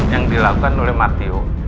yang dilakukan oleh matio